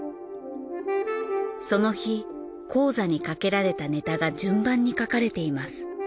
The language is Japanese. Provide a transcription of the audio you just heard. その日高座にかけられたネタが順番に書かれています。